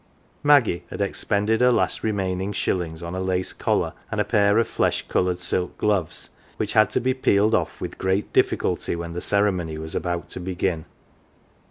Maggie had expended her last remaining shillings on a lace collar and a pair of flesh coloured silk gloves, which had to be peeled oft* with great difficulty when the ceremony was about to begin.